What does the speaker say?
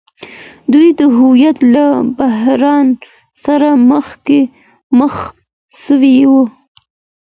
دوی د هويت له بحران سره مخ سوي وو.